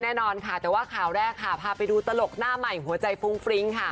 แน่นอนค่ะแต่ว่าข่าวแรกค่ะพาไปดูตลกหน้าใหม่หัวใจฟุ้งฟริ้งค่ะ